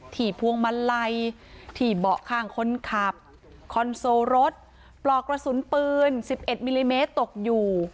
พวงมาลัยที่เบาะข้างคนขับคอนโซลรถปลอกกระสุนปืน๑๑มิลลิเมตรตกอยู่